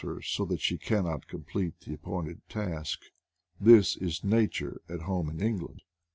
her so that she cannot complete the appointed task r—this is Nature at home in England.